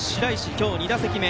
今日２打席目。